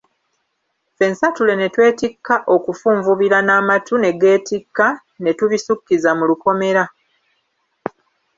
Ffensatule ne twetikka okufunvubira n'amatu ne geetikka ne tubisukkiza mu lukomera.